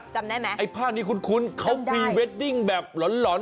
จำได้ไหมไอ้ภาพนี้คุ้นเขาพรีเวดดิ้งแบบหลอน